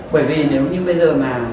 bởi vì nếu như bây giờ mà